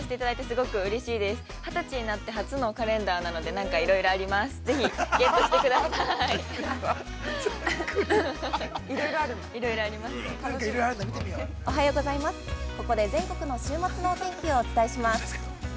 これで全国の週末のお天気をお伝えします。